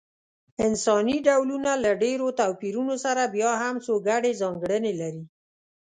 انساني ډولونه له ډېرو توپیرونو سره بیا هم څو ګډې ځانګړنې لري.